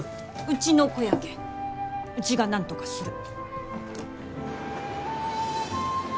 うちの子やけんうちがなんとかする。